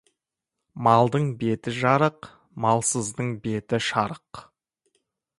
Малдың беті жарық, малсыздың беті шарық.